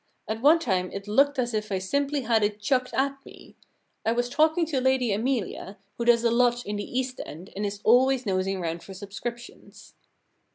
At one time it looked as if I simply had it chucked at me. I was talking to Lady Amelia, who does a lot in the East End and is always nosing round for subscriptions.